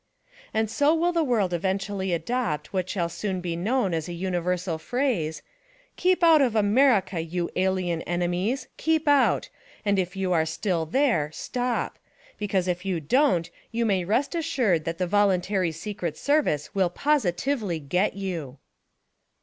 And so will the world eventually adopt what shall soon be known as a universal phrase: "KEEP OUT OF AMERICA, YOU ALIEN ENEMIES; KEEP OUT! AND IF YOU ARE STILL THERE, STOP; BECAUSE IF YOU DON'T YOU MAY REST ASSURED THAT THE 'VOLUNTARY SECRET SERVICE' WILL POSITIVELY GET YOU